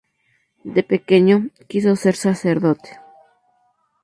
De pequeño, quiso ser sacerdote.